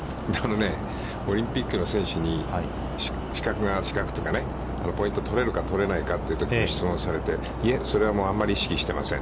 オリンピックの選手に、資格というかね、ポイントを取れるか、取れないかというときの質問をされて、いえ、それはあんまり意識していません。